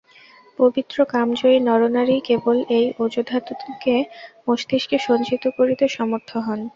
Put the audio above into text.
পবিত্র কামজয়ী নরনারীই কেবল এই ওজোধাতুকে মস্তিষ্কে সঞ্চিত করিতে সমর্থ হন।